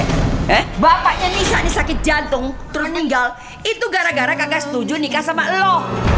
eh bapaknya nisa ini sakit jantung terus meninggal itu gara gara kakak setuju nikah sama lo